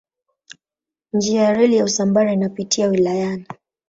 Njia ya reli ya Usambara inapita wilayani.